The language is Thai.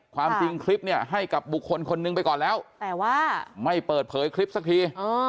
ความจริงคลิปเนี่ยให้กับบุคคลคนนึงไปก่อนแล้วแต่ว่าไม่เปิดเผยคลิปสักที